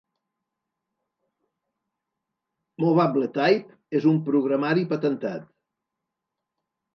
Movable Type és un programari patentat.